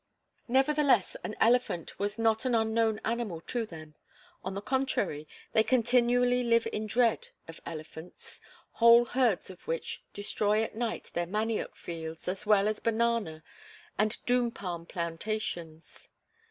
Nevertheless, an elephant was not an unknown animal to them. On the contrary, they continually live in dread of elephants, whole herds of which destroy at night their manioc fields as well as banana and doom palm plantations.